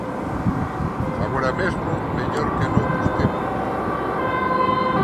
Agora mesmo mellor que noutros tempos.